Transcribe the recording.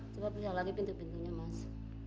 coba bisa lagi pintu pintunya mas